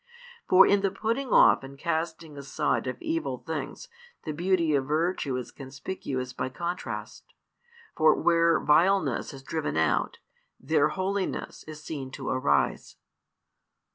For in the putting off and casting aside of evil things, the beauty of virtue is conspicuous by contrast. For where vileness is driven out, there holiness is seen to arise.